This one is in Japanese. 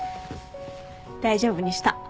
大丈夫にした。